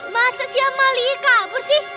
masa si amalia kabur sih